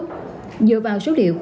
theo báo cáo của sở giáo dục